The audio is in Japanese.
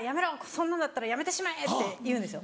そんなんだったらやめてしまえ」って言うんですよ。